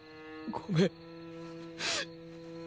ごめん。